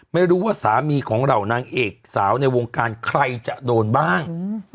ไม่รู้ว่าสามีของเหล่านางเอกสาวในวงการใครจะโดนบ้าง